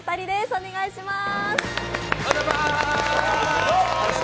お願いします。